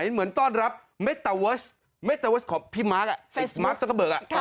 มีเหมือนต้อนรับเมตเตอร์เวิร์สเมตเตอร์เวิร์สของพี่มาร์คมาร์คสักเบิก